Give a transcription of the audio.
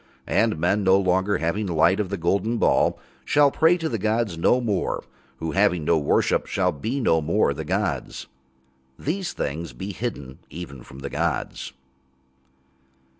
And men, no longer having light of the golden ball, shall pray to the gods no more, who, having no worship, shall be no more the gods. These things be hidden even from the gods.